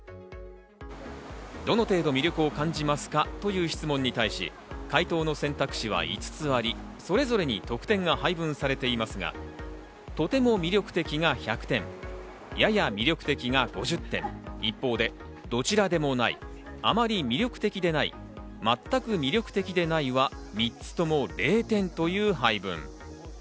どの程度魅力を感じますかという質問に対し、回答の選択肢は５つあり、それぞれに得点が配分されていますが、とても魅力的が１００点、やや魅力的が５０点、一方で、どちらでもない、あまり魅力的でない、全く魅力的でないは３つとも０点という配分。